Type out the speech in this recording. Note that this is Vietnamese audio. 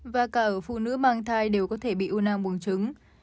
và cả ở phụ nữ mang thai đều có thể bị u não buồng trứng